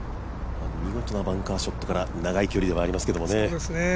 見事なバンカーショットから長い距離ではありますけどね。